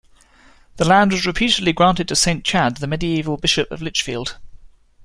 The land was reputedly granted to Saint Chad, the medieval Bishop of Lichfield.